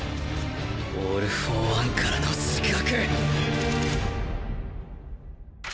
オール・フォー・ワンからの刺客！